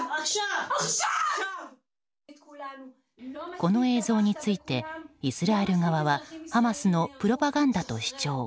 この映像についてイスラエル側はハマスのプロパガンダと主張。